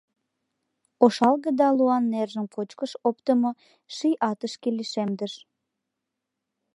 Ошалге да луан нержым кочкыш оптымо ший атышке лишемдыш.